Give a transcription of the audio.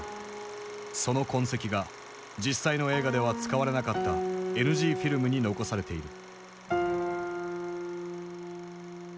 その痕跡が実際の映画では使われなかったＮＧフィルムに残されている。